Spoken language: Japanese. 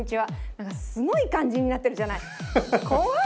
なんかすごい感じになってるじゃない。